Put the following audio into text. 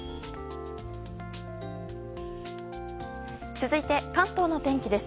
続いて、関東の天気です。